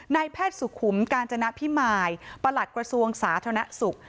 นายแพทย์สุขุมกาญจนพิมายประหลัดกระทรวงสาธารณสุข